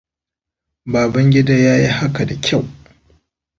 Babangida yayi haka da kyau.